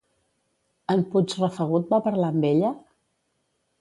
En Puigrafegut va parlar amb ella?